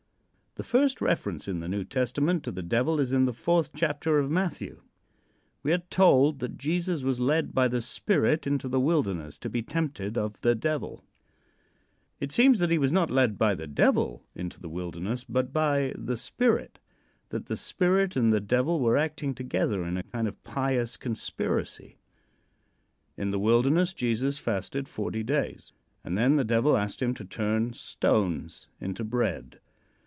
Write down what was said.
The first reference in the New Testament to the Devil is in the fourth chapter of Matthew. We are told that Jesus was led by the Spirit into the wilderness to be tempted of the Devil. It seems that he was not led by the Devil into the wilderness, but by the Spirit; that the Spirit and the Devil were acting together in a kind of pious conspiracy. In the wilderness Jesus fasted forty days, and then the Devil asked him to turn stones into bread.